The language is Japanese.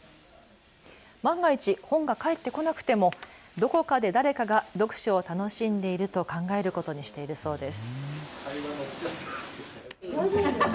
万が一、本が返ってこなくてもどこかで誰かが読書を楽しんでいると考えることにしているそうです。